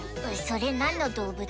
それ何の動物？